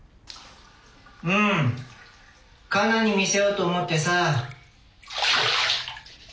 うん加奈に見せようと思ってさ。